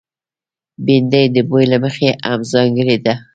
بېنډۍ د بوي له مخې هم ځانګړې ده